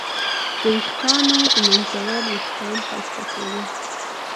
د ویښتانو ږمنځول وېښتان ښایسته کوي.